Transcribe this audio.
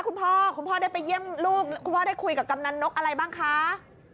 คุณพ่อคุณพ่อได้ไปเยี่ยมลูกคุณพ่อได้คุยกับกำนันนกอะไรบ้างคะ